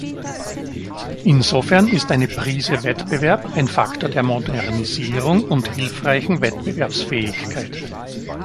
Insofern ist eine Prise Wettbewerb ein Faktor der Modernisierung und hilfreichen Wettbewerbsfähigkeit.